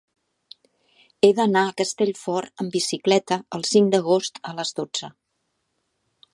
He d'anar a Castellfort amb bicicleta el cinc d'agost a les dotze.